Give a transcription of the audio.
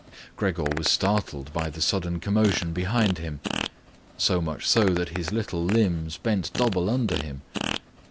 Gregor was startled by the sudden commotion behind him, so much so that his little limbs bent double under him.